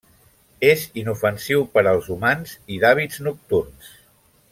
És inofensiu per als humans i d'hàbits nocturns.